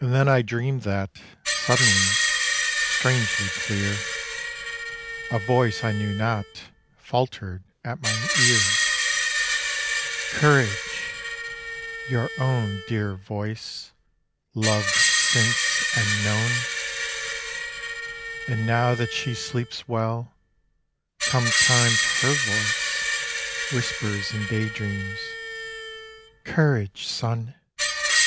And then I dreamed that suddenly, strangely clear A voice I knew not, faltered at my ear: "Courage!" ... Your own dear voice, loved since, and known! And now that she sleeps well, come times her voice Whispers in day dreams: "Courage, son!